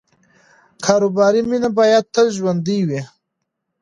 کاروباري مینه باید تل ژوندۍ وي.